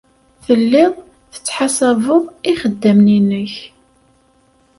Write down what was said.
Telliḍ tettḥasabeḍ ixeddamen-nnek.